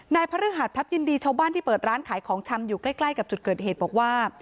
พระฤหัสพลับยินดีชาวบ้านที่เปิดร้านขายของชำอยู่ใกล้กับจุดเกิดเหตุบอกว่า